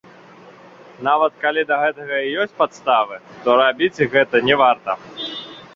Нават калі да гэтага і ёсць падставы, то рабіць гэта не варта.